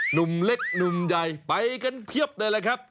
หนุ่มเล็กหนุ่มใหญ่ไปกันเพียบเลยแหละครับ